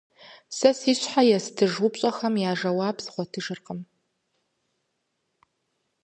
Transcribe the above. Сэ си щхьэ естыж упщӏэхэм я жэуап згъуэтыжыркъм.